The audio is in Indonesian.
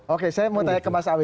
oke saya mau tanya ke mas awi